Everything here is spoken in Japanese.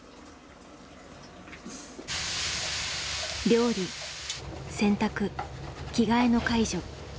料理洗濯着替えの介助。